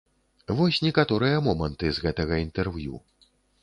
Вось некаторыя моманты з гэтага інтэрв'ю.